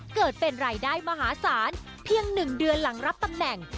เกิดเป็นรายได้มหาศาลเพียง๑เดือนหลังรับตำแหน่ง